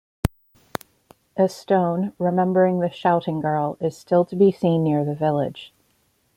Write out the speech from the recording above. A stone, remembering the Shouting Girl, is still to be seen near the village.